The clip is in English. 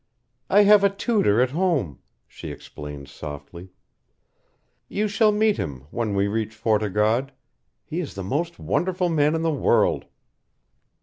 "I have a tutor at home," she explained, softly. "You shall meet him when we reach Fort o' God. He is the most wonderful man in the world."